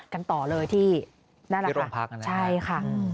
กันต่อเลยที่ร่องพัก